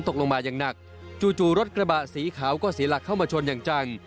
ตกลงมาอย่างหนักจู่รถกระบะสีขาวก็เสียหลักเข้ามาชนอย่างจัง